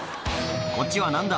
こっちは何だ？